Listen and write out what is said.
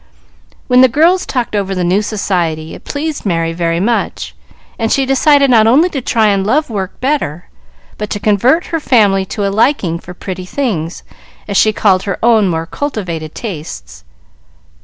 When the girls talked over the new society, it pleased Merry very much, and she decided not only to try and love work better, but to convert her family to a liking for pretty things, as she called her own more cultivated tastes.